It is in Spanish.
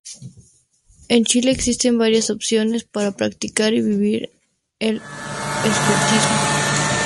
En Chile existen varias opciones para practicar y vivir el Escultismo.